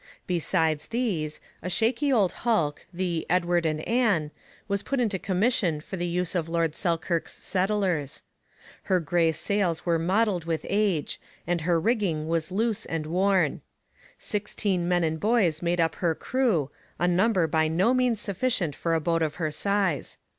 Besides these, a shaky old hulk, the Edward and Ann, was put into commission for the use of Lord Selkirk's settlers. Her grey sails were mottled with age and her rigging was loose and worn. Sixteen men and boys made up her crew, a number by no means sufficient for a boat of her size.